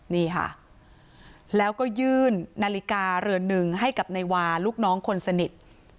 นี่ค่ะแล้วก็ยื่นนาฬิกาเรือนหนึ่งให้กับนายวาลูกน้องคนสนิท